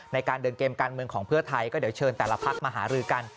ในการเดินเกมการเมืองของเพื่อไทยก็เดี๋ยวเชิญแต่ละพักมาหารือกัน